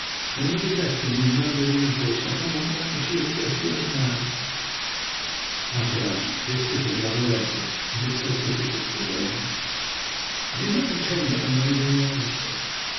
When we had left them he murmured in a voice not unlike that in which he had addressed the old man, "Hatteras, this is another lesson. Is it so difficult to learn?" I do not pretend that I made any answer.